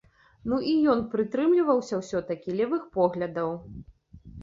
Ну і ён прытрымліваўся ўсё-такі левых поглядаў.